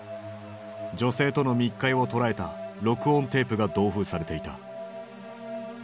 女性との密会を捉えた録音テープが同封されていた。